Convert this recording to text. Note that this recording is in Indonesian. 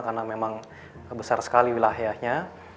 karena memang besar sekali wilayahnya